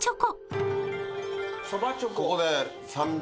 ここで。